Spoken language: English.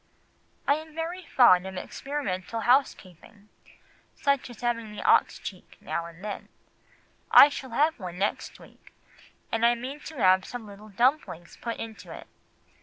"I am very fond of experimental housekeeping, such as having an ox cheek now and then; I shall have one next week, and I mean to have some little dumplings put into it."